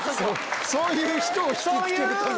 そういう人を引き付けるために。